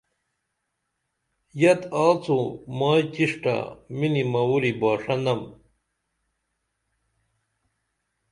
یت آڅو مائیں چݜٹہ مِنی مووری باݜہ نم